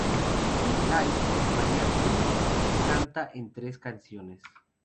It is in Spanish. En ""Lights"", Maria Q canta en tres canciones.